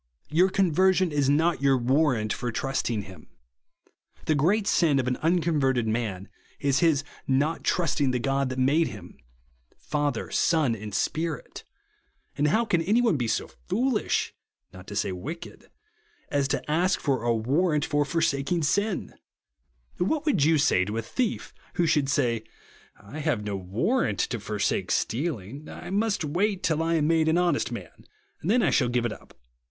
Your con version is not your warrant for trusting him. The great sin of an unconverted man is his not trusting the God that made him ; Father, Son, and Spirit ; and how can any one be so foolish, not to say vnched, as to ask for a warrant for forsaking sin 1 What would you say to a thief who should say, I have no tvarrant to forsake stealing ; I must wait till I am made an honest man, then I shall give it up